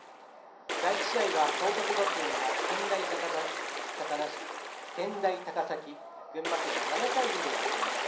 第１試合は報徳学園が健大高崎群馬県を７対２で破りました。